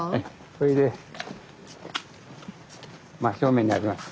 それで真っ正面にあります。